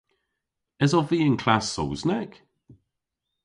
Esov vy y'n klass Sowsnek?